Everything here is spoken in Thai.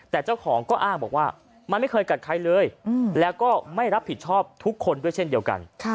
แต่เจ้าของก็อ้างบอกว่ามันไม่เคยกัดใครเลยแล้วก็ไม่รับผิดชอบทุกคนด้วยเช่นเดียวกัน